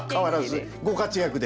ご活躍で。